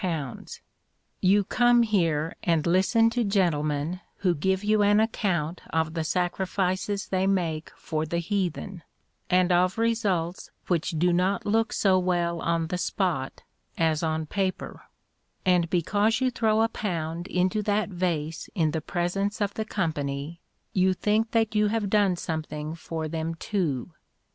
You come here and listen to gentlemen who give you an account of the sacrifices they make for the heathen, and of results which do not look so well on the spot as on paper; and because you throw a pound into that vase in the presence of the company, you think that you have done something for them too.